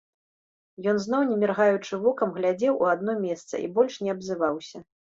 Ён зноў, не міргаючы вокам, глядзеў у адно месца і больш не абзываўся.